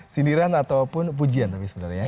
sindiran ataupun pujian tapi sebenarnya